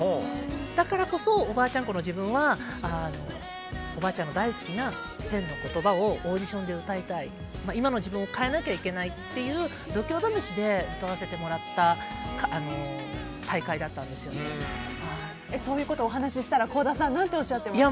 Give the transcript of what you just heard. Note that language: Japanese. だからこそおばあちゃんっ子の自分はおばあちゃんの大好きな「１０００の言葉」をオーディションで歌いたい今の自分を変えなきゃいけないという度胸試しで歌わせてもらったそういうことをお話ししたら倖田さんは何ておっしゃってました？